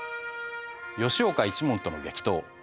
吉岡一門との激闘